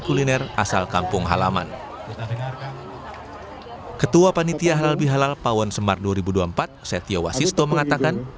ketua panitia halal bihalal pawon semar dua ribu dua puluh empat setia wasisto mengatakan